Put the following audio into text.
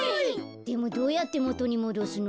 でもどうやってもとにもどすの？